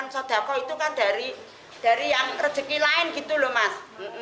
sodako itu kan dari yang rezeki lain gitu loh mas